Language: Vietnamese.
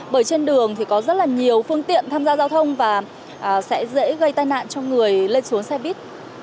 bởi trên đường thì có rất là nhiều phương tiện tham gia giao thông và sẽ dễ gây tai nạn cho người lên xuống xe buýt